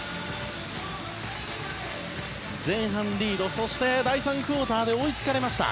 前半、リードそして第３クオーターで追いつかれました。